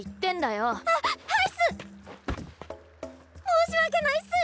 申し訳ないっす！